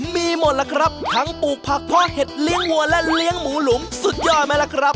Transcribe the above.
มีหมดล่ะครับทั้งปลูกผักเพาะเห็ดเลี้ยงวัวและเลี้ยงหมูหลุมสุดยอดไหมล่ะครับ